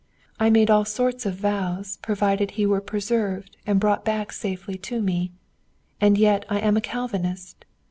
I made all sorts of vows provided he were preserved and brought back safely to me. And yet I am a Calvinist!